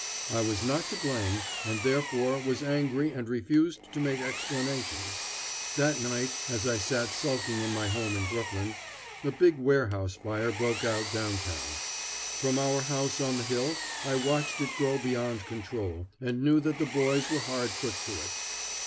I was not to blame, and therefore was angry and refused to make explanations. That night, as I sat sulking in my home in Brooklyn, a big warehouse fire broke out down town. From our house on the hill I watched it grow beyond control, and knew that the boys were hard put to it.